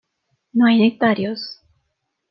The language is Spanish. No hay nectarios.